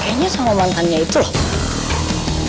kayaknya sama mantannya itu loh